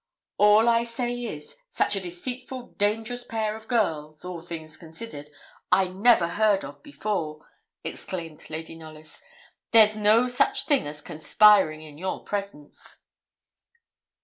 'All I say is, such a deceitful, dangerous pair of girls all things considered I never heard of before,' exclaimed Lady Knollys. 'There's no such thing as conspiring in your presence.'